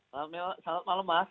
selamat malam mas